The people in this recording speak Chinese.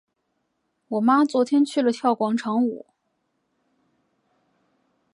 我妈昨天去了跳广场舞。